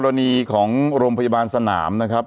รณีของโรงพยาบาลสนามนะครับ